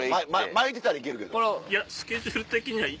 巻いてたら行けるけど。